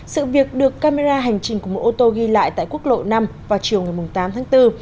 sự việc được camera hành trình của một ô tô ghi lại tại quốc lộ năm vào chiều ngày tám tháng bốn